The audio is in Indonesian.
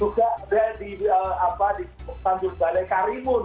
juga ada di apa di pantulbale karimun